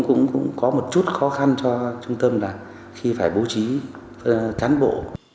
cũng có một chút khó khăn cho trung tâm là khi phải bố trí cán bộ